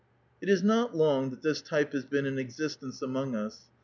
It is not long thnt this type has been in existence amongf^ us.